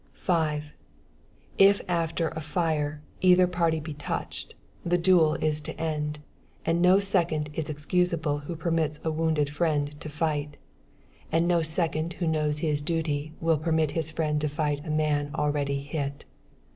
5. If after a fire, either party be touched, the duel is to end; and no second is excusable who permits a wounded friend to fight; and no second who knows his duty, will permit his friend to fight a man already hit.